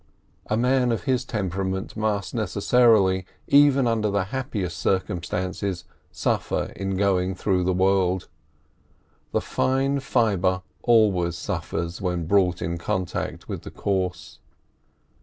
A man of his temperament must necessarily, even under the happiest circumstances, suffer in going through the world; the fine fibre always suffers when brought into contact with the coarse.